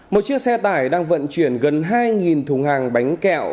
một chiếc xe tải đang vận chuyển gần hai thùng hàng bánh kẹo